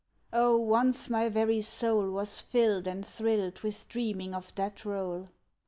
Oh, once my very soul Was filled and thrilled with dreaming of that role.